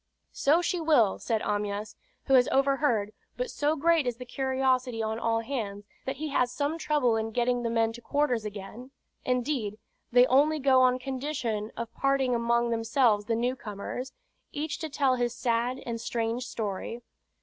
"So she will," said Amyas, who has overheard; but so great is the curiosity on all hands, that he has some trouble in getting the men to quarters again; indeed, they only go on condition of parting among themselves the new comers, each to tell his sad and strange story.